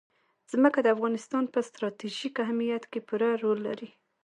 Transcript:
ځمکه د افغانستان په ستراتیژیک اهمیت کې پوره رول لري.